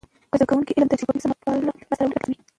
که زده کوونکي علمي تجربه کوي، سمه پایله تر لاسه کوي.